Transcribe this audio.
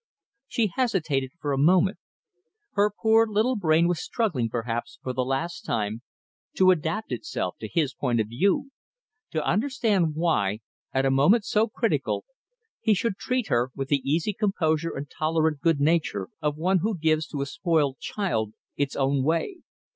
She hesitated for a moment. Her poor little brain was struggling, perhaps, for the last time, to adapt itself to his point of view to understand why, at a moment so critical, he should treat her with the easy composure and tolerant good nature of one who gives to a spoilt child its own way.